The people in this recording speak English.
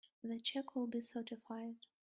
The check will be certified.